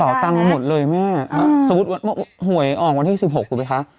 แต่เบาตังค์ก็หมดเลยแม่อืมสมมุติว่าหวยออกวันที่สิบหกกูไปค่ะ